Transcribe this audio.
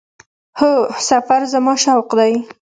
هو، سفر زما شوق دی